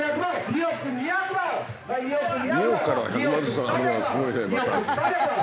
２億からは１００万ずつ上がるのがすごいねまた。